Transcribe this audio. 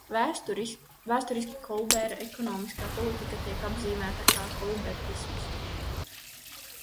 Vēsturiski Kolbēra ekonomiskā politika tiek apzīmēta kā kolbertisms.